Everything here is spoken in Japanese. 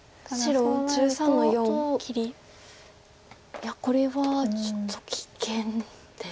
いやこれはちょっと危険です。